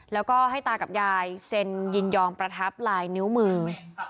แล้วก็ให้ตากับยายเซ็นยินยอมประทับลายนิ้วมือ